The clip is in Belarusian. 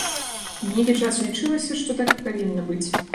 Нейкі час лічылася, што так і павінна быць.